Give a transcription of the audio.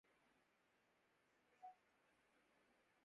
بھری بزم میں راز کی بات کہہ دی